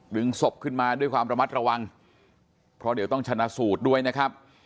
ศพขึ้นมาด้วยความระมัดระวังเพราะเดี๋ยวต้องชนะสูตรด้วยนะครับ